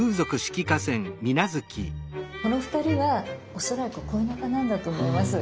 この２人は恐らく恋仲なんだと思います。